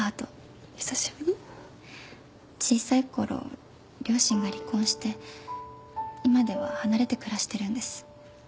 小さいころ両親が離婚して今では離れて暮らしてるんです。